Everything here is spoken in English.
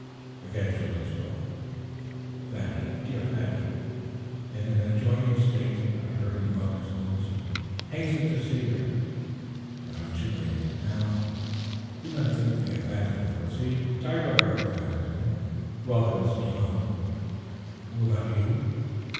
Again Julia spoke, "Fanny, dear Fanny. In an adjoining state I heard of mother's illness and hastened to see her, but I am too late. Now, do not think me a phantom, for see, Tiger recognizes me and welcomes me home, and will not you?"